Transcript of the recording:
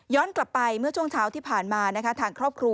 กลับไปเมื่อช่วงเช้าที่ผ่านมานะคะทางครอบครัว